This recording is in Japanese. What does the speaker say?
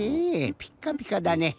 ピッカピカだね。